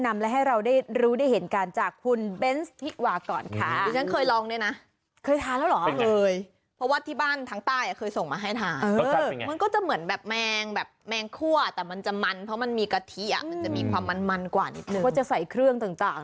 มีโอกาสลองไปหาทาน